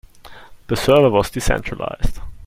The server was decentralized.